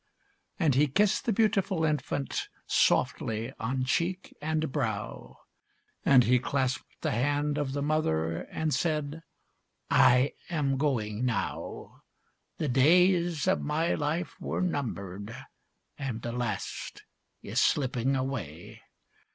And he kissed the beautiful infant, Softly on cheek, and brow, And he clasped the hand of the mother, And said "I am going now! The days of my life were numbered, And the last is slipping away.